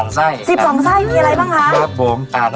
๑๒ไส้มีอะไรบ้างคะ